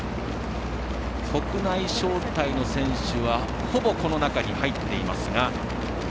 国内招待の選手はほぼこの中に入っていますが。